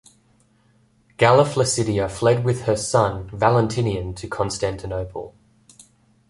Galla Placidia fled with her son Valentinian to Constantinople.